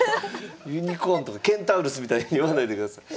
ユニコーンとかケンタウルスみたいに言わないでください。